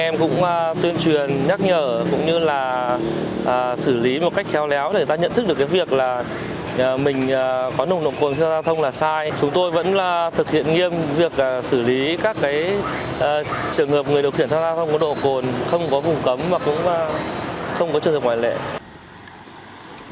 mình có nồng độ cồn xe giao thông là sai chúng tôi vẫn thực hiện nghiêm việc xử lý các trường hợp người điều khiển xe giao thông có nồng độ cồn không có vùng cấm và không có trường hợp ngoại lệ